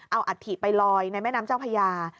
เอาอัฐิไปลอยในแม่น้ำเจ้าพญา